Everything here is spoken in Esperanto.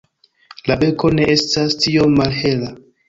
La beko ne estas tiom malhela.